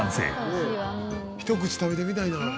一口食べてみたいなあ。